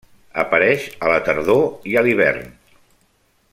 Apareix a la tardor i a l'hivern.